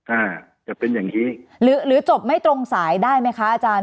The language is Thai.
อ่าจะเป็นอย่างงี้หรือจบไม่ตรงสายได้ไหมคะอาจารย์